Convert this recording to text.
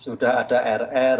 sudah ada rr